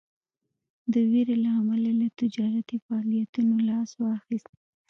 د ویرې له امله له تجارتي فعالیتونو لاس واخیست.